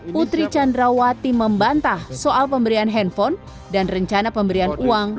putri candrawati membantah soal pemberian handphone dan rencana pemberian uang